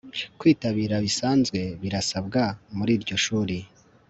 Kwitabira bisanzwe birasabwa muri iryo shuri